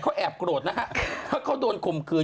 เขาแอบโกรธนะฮะเพราะเขาโดนคมคืน